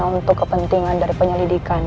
untuk kepentingan dari penyelidikan